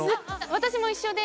私も一緒で。